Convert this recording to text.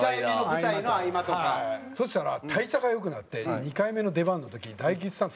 そしたら代謝が良くなって２回目の出番の時に大吉さん